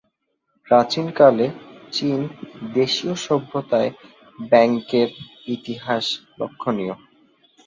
প্রাচীন কালে চীন দেশীয় সভ্যতায় ব্যাংকের ইতিহাস লক্ষণীয়।